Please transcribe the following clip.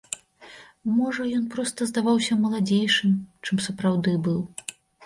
Можа, ён проста здаваўся маладзейшым, чым сапраўды быў.